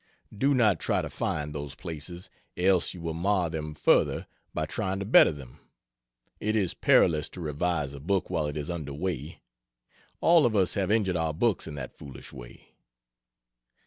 Do not try to find those places, else you will mar them further by trying to better them. It is perilous to revise a book while it is under way. All of us have injured our books in that foolish way.